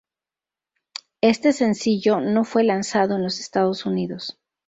Este sencillo no fue lanzado en los Estados Unidos.